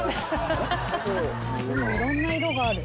いろんな色がある。